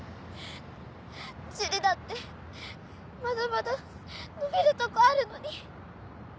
樹里だってまだまだ伸びるとこあるのに。